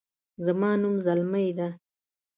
زما نوم زلمۍ ده